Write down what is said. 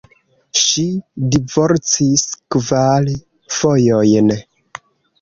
Ŝi divorcis kvar fojojn.